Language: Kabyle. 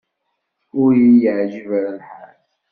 Ur iyi-yeɛjib ara lḥal.